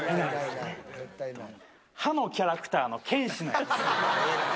歯のキャラクターの犬歯のやつ。